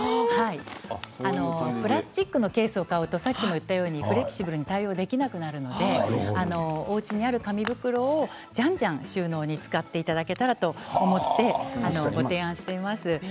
プラスチックのケースを買うとフレキシブルに対応できなくなるのでおうちにある紙袋をじゃんじゃん収納に使っていただけたらと思ってご提案しています。